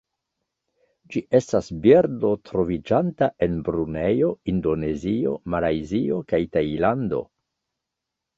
Ĝi estas birdo troviĝanta en Brunejo, Indonezio, Malajzio kaj Tajlando.